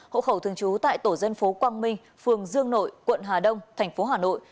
hộ khẩu thường trú tại tổ dân phố quang minh phường dương nội quận hà đông thành phố hà nội